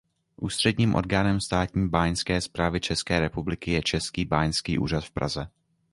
Ústředním orgánem státní báňské správy České republiky je Český báňský úřad v Praze.